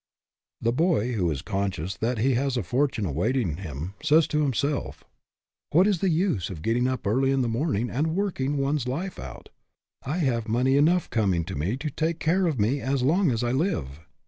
The boy who is conscious that he has a fortune awaiting him says to himself, " What GETTING AWAY FROM POVERTY 245 is the use of getting up early in the morning and working one's life out? I have money enough coming to me to take care of me as long as I live."